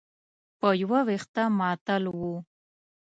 په یو وېښته معطل و.